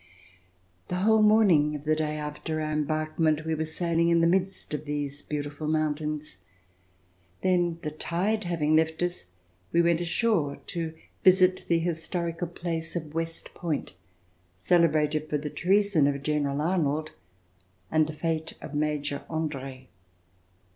The whole morning of the day after our em barkment, we were sailing in the midst of these beautiful mountains. Then, the tide having left us, we went ashore to visit the historical place of West Point, celebrated for the treason of General Arnold and the fate of Major Andre.